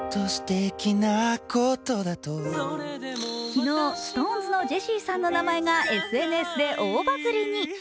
昨日、ＳｉｘＴＯＮＥＳのジェシーさんの名前がＳＮＳで大バズリ。